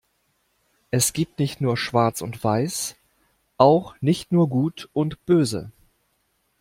Es gibt nicht nur Schwarz und Weiß, auch nicht nur Gut und Böse.